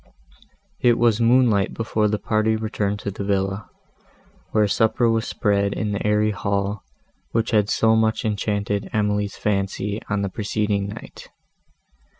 It was moonlight before the party returned to the villa, where supper was spread in the airy hall, which had so much enchanted Emily's fancy, on the preceding night.